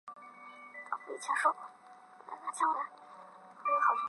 练习生并不等于储备选手或二军球员。